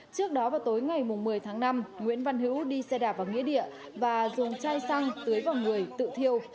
trước đó vào tối ngày một mươi tháng năm nguyễn văn hữu đi xe đạp vào nghĩa địa và dùng chai xăng tưới vào người tự thiêu